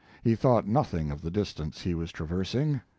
He thought nothing of the distance he was traversing.